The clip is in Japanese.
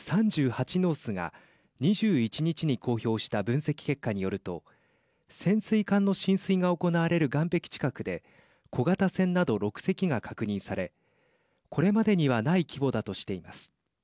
ノースが２１日に公表した分析結果によると潜水艦の進水が行われる岸壁近くで小型船など６隻が確認されこれまでにはない規模だとしています。